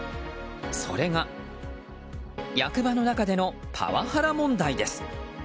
それが役場の中でのパワハラ問題です。